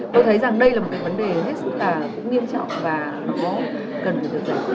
tôi thấy rằng đây là một vấn đề rất là nghiêm trọng và nó cần phải được giải quyết